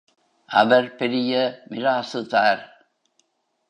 அவர் பெரிய மிராசுதார்.